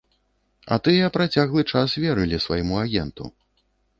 А тыя працяглы час верылі свайму агенту.